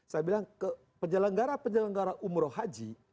saya bilang ke penyelenggara penyelenggara umroh haji